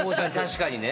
確かにね。